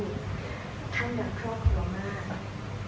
ท่านเป็นครอบครัวมาก